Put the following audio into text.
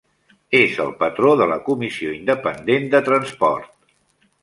És el patró de la Comissió Independent de Transport.